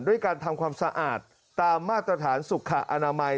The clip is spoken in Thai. ด้วยการทำความสะอาดตามมาตรฐานสุขอนามัย